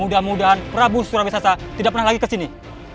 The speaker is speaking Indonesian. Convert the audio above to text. mudah mudahan prabu surawisata tidak pernah lagi ke sini